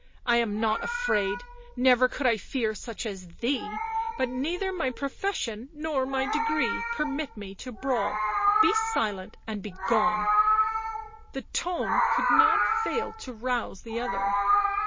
" I am not afraid, never could I fear such as thee; but neither my profession nor my degree permit me to brawl — be silent and begone." The tone could not fail to rouse the other.